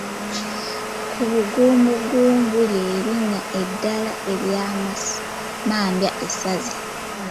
Kubungubungu ly'erinnya eddala erya mmambya esaze .